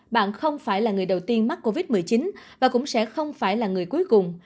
bạn không phải là người đầu tiên mắc covid một mươi chín và cũng sẽ không phải là người cuối cùng